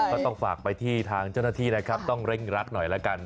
ก็ต้องฝากไปที่ทางเจ้นวจยการต้องเร่งรักหน่อยละกัน